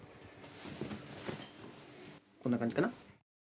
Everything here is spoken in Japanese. こんな感じかな。